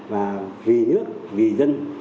và vì nước vì dân tộc